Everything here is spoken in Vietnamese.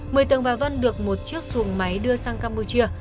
mười tường bà vân được một chiếc xuồng máy đưa sang campuchia